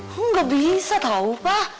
enggak bisa tau pak